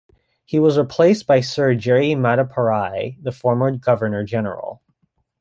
He was replaced by Sir Jerry Mateparae, the former Governor-General.